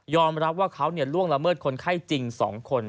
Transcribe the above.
รับว่าเขาล่วงละเมิดคนไข้จริง๒คน